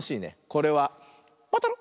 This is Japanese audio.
これは「またろ！」。